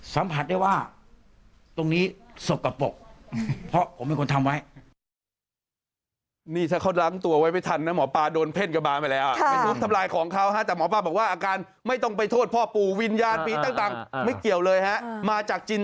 สัมผัสอะไรไม่ได้เลยเกี่ยวกับวิญญาณ